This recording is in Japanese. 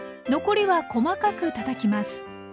残りは細かくたたきます。